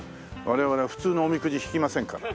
我々普通のおみくじ引きませんから。